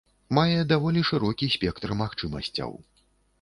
Мае даволі шырокі спектр магчымасцяў.